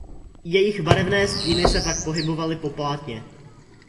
Jejich barevné stíny se pak pohybovaly po plátně.